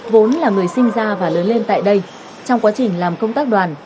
vốn là người sinh ra và lớn lên tại đây trong quá trình làm công tác đoàn